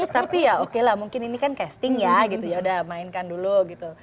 tapi ya oke lah mungkin ini kan casting ya gitu yaudah mainkan dulu gitu